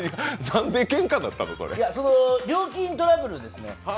料金トラブルですね。